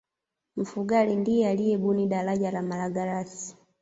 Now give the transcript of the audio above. mfugale ndiye aliyebuni daraja la malagarasi